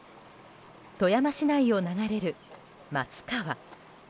富山市内を流れる松川。